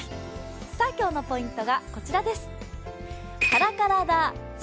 今日のポイントがこちらです。